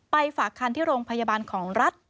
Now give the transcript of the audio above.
ฝากคันที่โรงพยาบาลของรัฐ